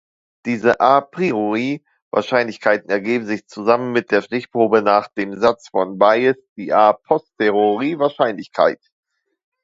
Diese A-priori-Wahrscheinlichkeiten ergeben zusammen mit der Stichprobe nach dem Satz von Bayes die A-posteriori-Wahrscheinlichkeit.